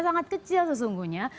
sangat kecil sesungguhnya